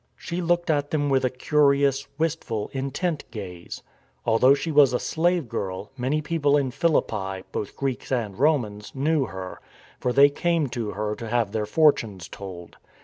She looked at them with a curious, wistful, intent gaze. Although she was a slave girl, many people in Philippi, both Greeks and Romans, knew her; for they came to her to have their fortunes told.